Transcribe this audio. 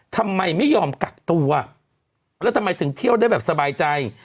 ทำไมไม่ยอมกักตัวแล้วทำไมถึงเที่ยวได้แบบสบายใจ